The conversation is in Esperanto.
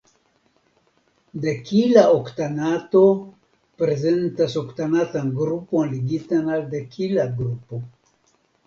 Dekila oktanato prezentas oktanatan grupon ligitan al dekila grupo.